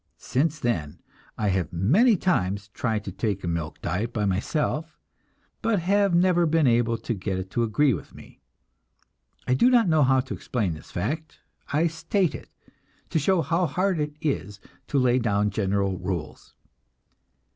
Since then, I have many times tried to take a milk diet by myself, but have never been able to get it to agree with me. I do not know how to explain this fact; I state it, to show how hard it is to lay down general rules.